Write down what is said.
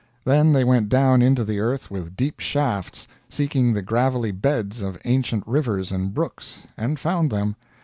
Then they went down into the earth with deep shafts, seeking the gravelly beds of ancient rivers and brooks and found them.